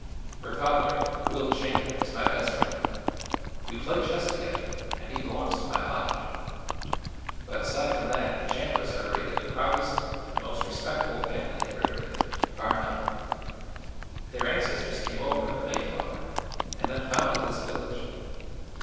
"Her father, Will Chandler, is my best friend. We play chess together and he belongs to my lodge. But aside from that the Chandlers are rated the proudest and most respectable family in Riverdale bar none. Their ancestors came over in the Mayflower, and then founded this village.